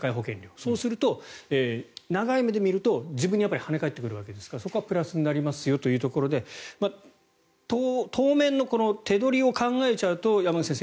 そうすると、長い目で見ると自分に跳ね返ってくるわけですからそこはプラスになりますよというところで当面の手取りを考えちゃうと山口先生